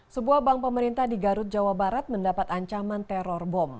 sebuah bank pemerintah di garut jawa barat mendapat ancaman teror bom